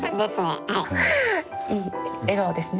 いい笑顔ですね。